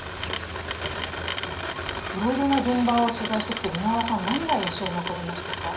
いろいろな現場を取材してきて何が印象に残りましたか？